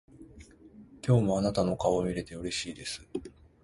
今日もあなたの顔を見れてうれしいです。